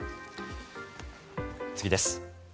次です。